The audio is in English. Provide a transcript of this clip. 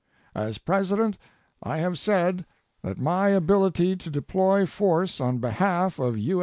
As President, I have said that my ability to deploy force on behalf of U.